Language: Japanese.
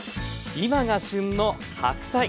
今が旬の白菜。